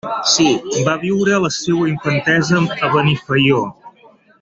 Va viure la seua infantesa a Benifaió.